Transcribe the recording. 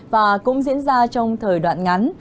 và cũng diễn ra trong thời đoạn ngắn